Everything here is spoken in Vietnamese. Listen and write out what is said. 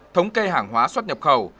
thống kê hàng hóa xuất nhập khẩu